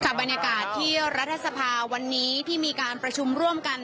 บรรยากาศที่รัฐสภาวันนี้ที่มีการประชุมร่วมกัน